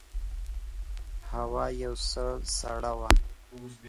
هوا یو څه سړه وه.